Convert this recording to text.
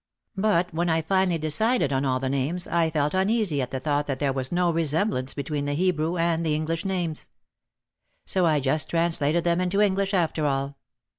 But when I finally decided on all the names I felt uneasy at the thought that there was no resemblance between the Hebrew and the English names. So I just translated them into English after all.